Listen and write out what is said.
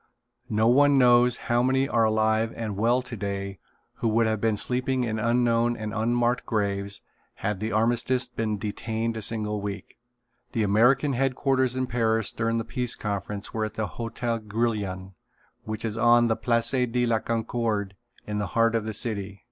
No one knows how many are alive and well today who would have been sleeping in unknown and unmarked graves had the armistice been detained a single week. The American headquarters in Paris during the Peace Conference were in the Hotel Grillion, which is on the Place de la Concorde in the heart of the city.